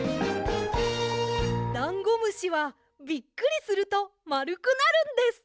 ダンゴムシはびっくりするとまるくなるんです。